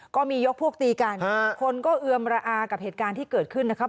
ก็มียกพวกตีกันคนก็เอือมระอากับเหตุการณ์ที่เกิดขึ้นนะครับ